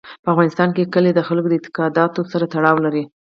په افغانستان کې کلي د خلکو د اعتقاداتو سره تړاو لري.